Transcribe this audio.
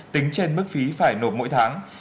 tính trên mức phí phải nộp mỗi tháng